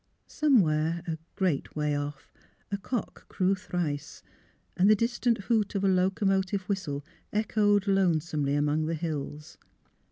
Somewhere, a great way off, a cock crew thrice, and the distant hoot of a locomotive whistle echoed lonesomely among the hills.